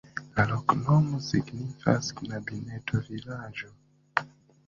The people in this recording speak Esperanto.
La loknomo signifas: knabineto-vilaĝo.